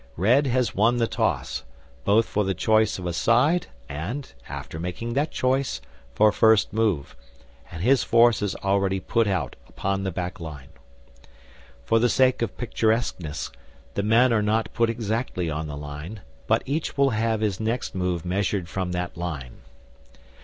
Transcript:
Red has won the toss, both for the choice of a side and, after making that choice, for first move, and his force is already put out upon the back line. For the sake of picturesqueness, the men are not put exactly on the line, but each will have his next move measured from that line.